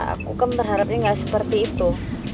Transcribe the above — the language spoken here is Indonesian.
aku kan berharapnya nggak seperti itu